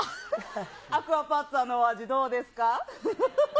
アクアパッツァのお味、どうですか？